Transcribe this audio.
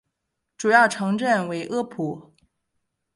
主要城镇为阿普。